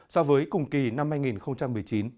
so với cùng kỳ năm hai nghìn một mươi chín